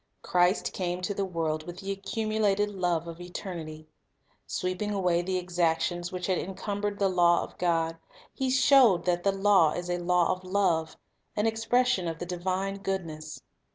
Christ came to the world with the accumulated love of eternity. Sweeping away the exactions which had encumbered the law of God, He showed that the law is a law of love, an expression of the Divine Goodness.